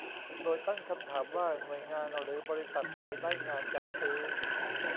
โดยตั้งคำถามว่าหน่วยงานหรือบริษัทใดได้งานจัดซื้อ